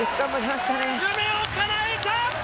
夢をかなえた！